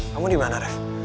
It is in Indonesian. kamu dimana ref